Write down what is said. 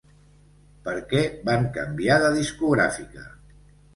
Per què van canviar de discogràfica?